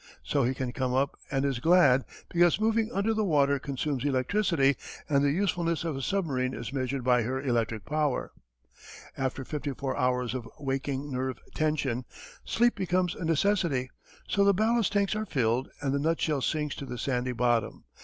So he can come up and is glad, because moving under the water consumes electricity, and the usefulness of a submarine is measured by her electric power. After fifty four hours of waking nerve tension, sleep becomes a necessity. So the ballast tanks are filled and the nutshell sinks to the sandy bottom.